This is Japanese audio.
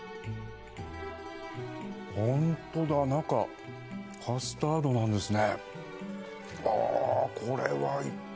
ホントだ中カスタードなんですね。